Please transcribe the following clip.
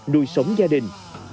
nuôi sống gia đình